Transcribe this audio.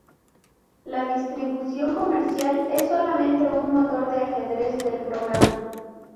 La distribución comercial es solamente un motor de ajedrez del programa.